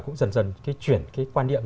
cũng dần dần chuyển cái quan niệm